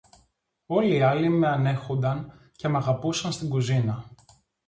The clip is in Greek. Όλοι οι άλλοι με ανέχουνταν και μ' αγαπούσαν στην κουζίνα